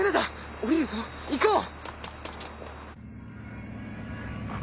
降りるぞ行こう！